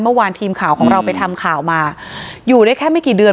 เมื่อวานทีมข่าวของเราไปทำข่าวมาอยู่ได้แค่ไม่กี่เดือน